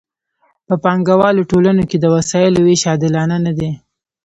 په پانګوالو ټولنو کې د وسایلو ویش عادلانه نه دی.